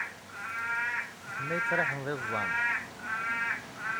D kemm ay yettraḥen d iẓẓan.